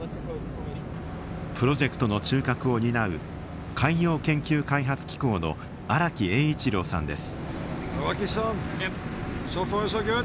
プロジェクトの中核を担う海洋研究開発機構の荒木英一郎さんです。